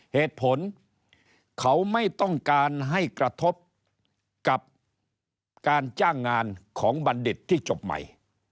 เหตุผลเขาไม่ต้องการให้กระทบกับการจ้างงานของบัณฑิตที่จบใหม่